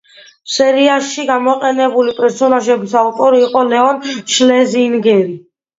სერიაში გამოყენებული პერსონაჟების ავტორი იყო ლეონ შლეზინგერი.